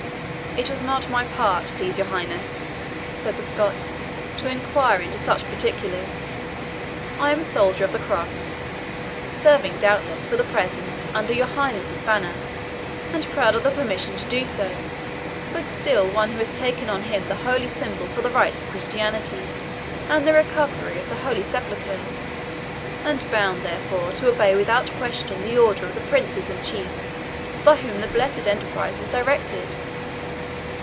"It was not my part, please your highness," said the Scot, "to inquire into such particulars. I am a soldier of the Cross serving, doubtless, for the present, under your highness's banner, and proud of the permission to do so, but still one who hath taken on him the holy symbol for the rights of Christianity and the recovery of the Holy Sepulchre, and bound, therefore, to obey without question the orders of the princes and chiefs by whom the blessed enterprise is directed.